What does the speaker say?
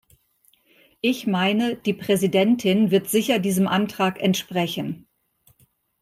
Ich meine, die Präsidentin wird sicher diesem Antrag entsprechen.